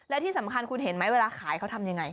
และที่สำคัญคุณเห็นไหมเวลาขายเขาทำยังไง